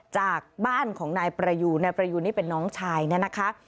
จากบ้านของนายประยูนนายประยูนนี่เป็นน้องชายเนี่ยนะคะ